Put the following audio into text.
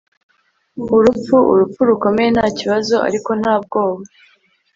Urupfu urupfu rukomeye nta kibazo ariko nta bwoba